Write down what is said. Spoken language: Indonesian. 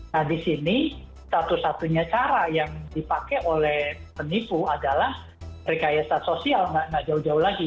nah di sini satu satunya cara yang dipakai oleh penipu adalah rekayasa sosial